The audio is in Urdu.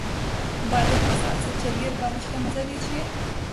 بادل کے ساتھ ساتھ چلیے اور بارش کا مزہ لیجئے